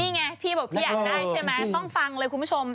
นี่ไงพี่บอกพี่อยากได้ใช่ไหมต้องฟังเลยคุณผู้ชม